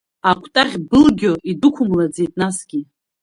Акәтаӷь былгьо идәықәымлаӡеит насгьы…